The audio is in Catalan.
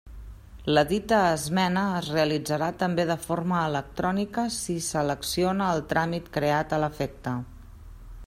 La dita esmena es realitzarà també de forma electrònica si selecciona el tràmit creat a l'efecte.